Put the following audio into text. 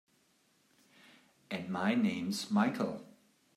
And my name's Michael.